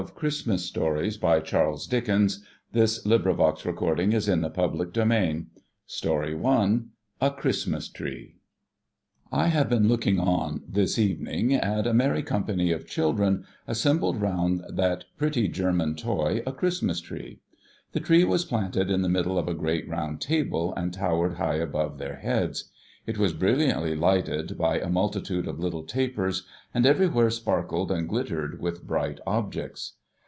G. Dalziel 338 370 386 J". Mahony 450 Townley Green 458 Charles Green 552 A CHRISTMAS TREE A CHRISTMAS TREE I HAVE been looking on, this evening, at a merry company of children assembled round that pretty German toy, a Christmas Tree. The tree was planted in the middle of a great round table, and towered high above their heads. It was brilliantly lighted by a multitude of little tapers ; and everywhere sparkled and glittered with bright objects.